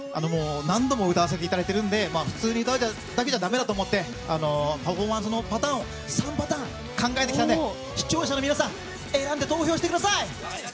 何度も歌わせていただいているので普通に歌うだけじゃだめだと思ってパフォーマンスのパターンを３パターン考えてきたので視聴者の皆さん選んで投票してください！